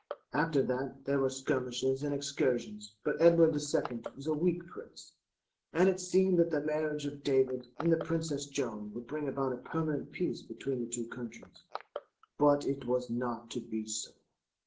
After that there were skirmishes and excursions, but Edward II was a weak prince, and it seemed that the marriage of David and the Princess Joan would bring about a permanent peace between the two countries; but it was not to be so."